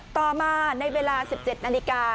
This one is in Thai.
ต่อมาในเวลา๑๗นาฬิกา